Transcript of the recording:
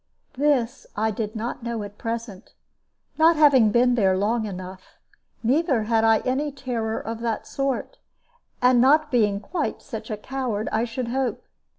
This I did not know at present, not having been there long enough; neither had I any terror of that sort, not being quite such a coward, I should hope.